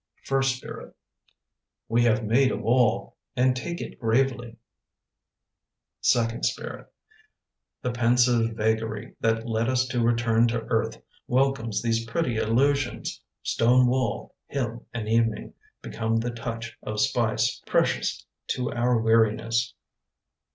First Spirit We have made a wall And take it gravely. Second Spirit The pensive vagary That led us to return to earth Welcomes these pretty illusions. Stone wall, hill, and evening Become the touch of spice Precious to our weariness.